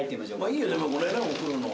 いいよでもこれねお風呂の。